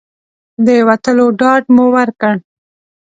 د ورتلو ډاډ مو ورکړ.